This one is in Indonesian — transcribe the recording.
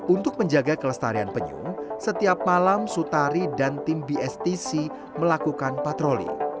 untuk menjaga kelestarian penyu setiap malam sutari dan tim bstc melakukan patroli